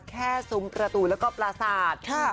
ซุ้มประตูแล้วก็ปราศาสตร์